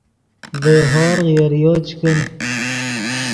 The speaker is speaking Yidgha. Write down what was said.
ڤئے ہورغ یریو چے کن